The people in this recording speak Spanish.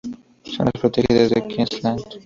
Zonas protegidas de Queensland